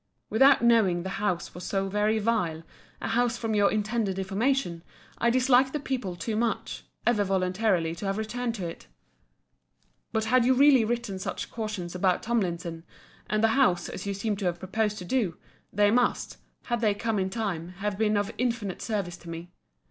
Without knowing the house was so very vile a house from your intended information, I disliked the people too much, ever voluntarily to have returned to it. But had you really written such cautions about Tomlinson, and the house, as you seem to have purposed to do, they must, had they come in time, have been of infinite service to me.